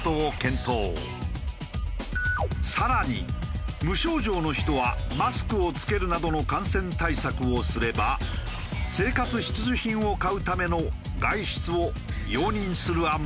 更に無症状の人はマスクを着けるなどの感染対策をすれば生活必需品を買うための外出を容認する案も検討している。